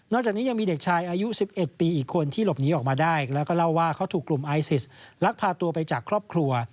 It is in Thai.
จากนี้ยังมีเด็กชายอายุ๑๑ปีอีกคนที่หลบหนีออกมาได้แล้วก็เล่าว่าเขาถูกกลุ่มไอซิสลักพาตัวไปจากครอบครัว